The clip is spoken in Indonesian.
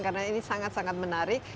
karena ini sangat sangat menarik